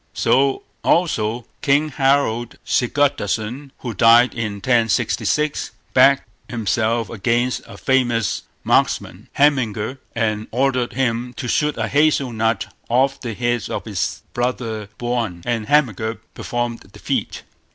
So, also, King Harold Sigurdarson, who died 1066, backed himself against a famous marksman, Hemingr, and ordered him to shoot a hazel nut off the head of his brother Björn, and Hemingr performed the feat.